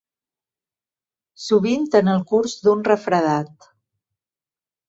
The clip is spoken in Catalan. Sovint en el curs d'un refredat.